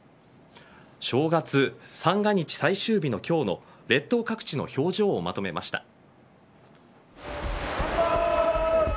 正月三が日最終日の今日の列島各地の表情をまとめました。